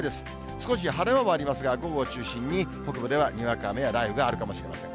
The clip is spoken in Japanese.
少し晴れ間もありますが、午後を中心に北部ではにわか雨や雷雨があるかもしれません。